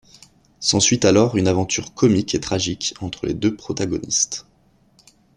S'ensuit alors une aventure comique et tragique entre les deux protagonistes.